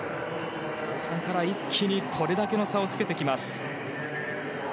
後半から一気にこれだけの差をつけてきます。